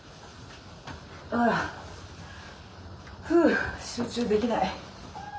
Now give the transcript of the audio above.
あふう集中できない。